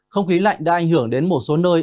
không khí lạnh đã ảnh hưởng đến một số nơi